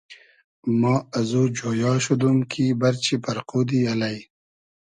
ما ازو جۉیا شودوم کی بئرچی پئرقودی الݷ